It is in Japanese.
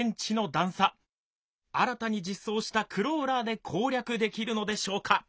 新たに実装したクローラーで攻略できるのでしょうか？